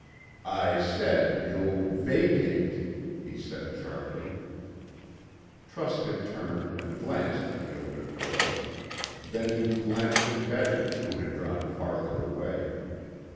"I said you'll vacate," he said sharply. Truscott turned and glanced at the open door. Then he glanced at Betty, who had drawn farther away.